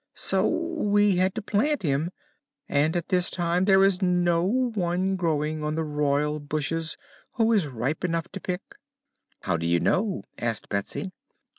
So we had to plant him, and at this time there is no one growing on the Royal Bushes who is ripe enough to pick." "How do you know?" asked Betsy.